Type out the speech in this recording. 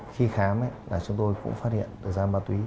khi khám là chúng tôi cũng phát hiện ra ma túy